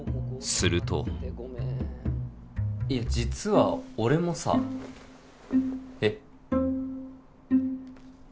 するといや実は俺もさ。え？